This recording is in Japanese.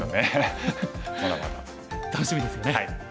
楽しみですよね。